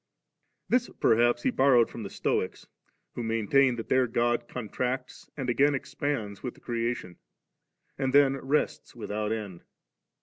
This perhaps he* borrowed from the Stoics, who maintain that their God contracts and again expands with the creation, and then rests without end.